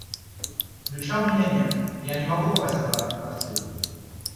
Ключа у меня нет, и я не могу попасть обратно в квартиру.